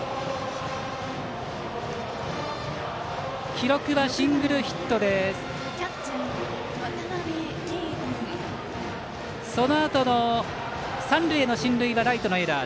記録はシングルヒットでそのあとの三塁への進塁はライトのエラー。